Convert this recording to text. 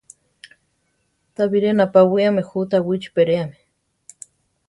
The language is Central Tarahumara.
Ta biré napawiáme jú Tawichi peréami.